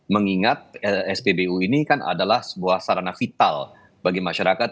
mengingat spbu ini kan adalah sebuah sarana vital bagi masyarakat